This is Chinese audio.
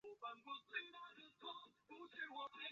金洞县是越南兴安省下辖的一个县。